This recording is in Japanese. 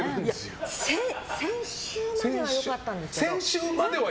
先週までは良かったんですよ。